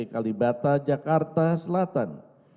kalibata jakarta selatan